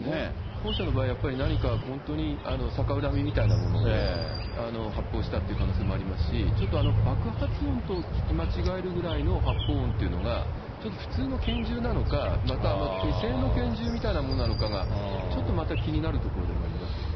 後者の場合、何か本当に逆恨みみたいなもので発砲したという可能性もありますし、ちょっと爆発音と聞き間違えるぐらいの発砲音っていうのが、ちょっと普通の拳銃なのか、または手製の拳銃みたいなものなのかが、ちょっとまた気になるところでもありますよね。